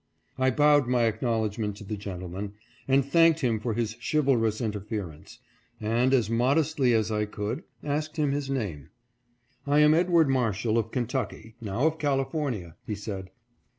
I bowed my acknowledgment to the gentleman and thanked him for his chivalrous interference, and, as mod estly as I could, asked him his name. " I am Edward Marshall of Kentucky, now of California," he said.